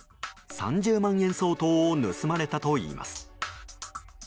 ３０万円相当を盗まれたといいます。